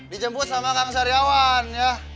dijemput sama kang saryawan